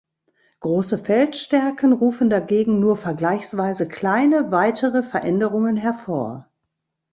Große Feldstärken rufen dagegen nur vergleichsweise kleine weitere Veränderungen hervor.